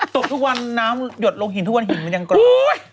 ตกทุกวันน้ำหยดลงหินทุกวันหินมันยังกด